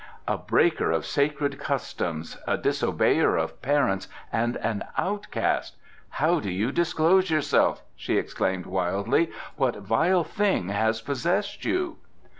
"A breaker of sacred customs, a disobeyer of parents and an outcast! How do you disclose yourself!" she exclaimed wildly. "What vile thing has possessed you?"